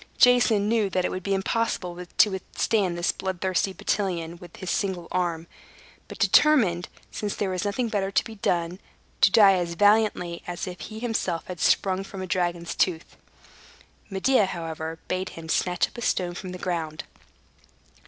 Jason knew that it would be impossible to withstand this blood thirsty battalion with his single arm, but determined, since there was nothing better to be done, to die as valiantly as if he himself had sprung from a dragon's tooth. Medea, however, bade him snatch up a stone from the ground.